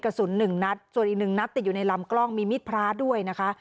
กระสุน๑นัดส่วนอีก๑นัดติดอยู่ในลำกล้องมีมิดพระด้วยนะคะ